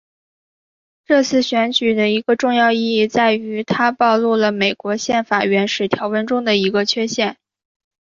这次选举的一个重要意义在于它暴露了美国宪法原始条文中的一个缺陷。